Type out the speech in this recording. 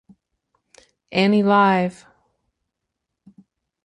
Annie Live!